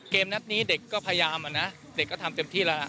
นัดนี้เด็กก็พยายามอะนะเด็กก็ทำเต็มที่แล้วนะ